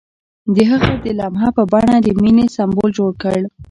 هغه د لمحه په بڼه د مینې سمبول جوړ کړ.